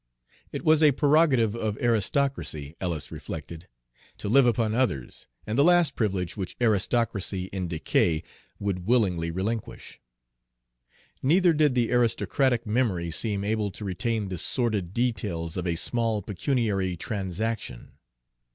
It was a prerogative of aristocracy, Ellis reflected, to live upon others, and the last privilege which aristocracy in decay would willingly relinquish. Neither did the aristocratic memory seem able to retain the sordid details of a small pecuniary transaction.